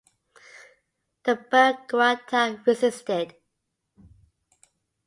The Berghouata resisted.